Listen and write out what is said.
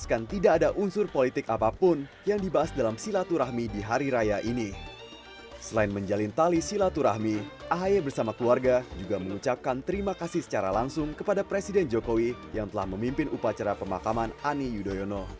kedatangan ahaye dan ibas beserta istri untuk bersilaturahmi sekaligus mengucapkan terima kasih atas kontribusi jokowi saat pemakaman ani yudhoyono